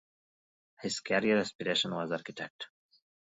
His career aspiration was architect.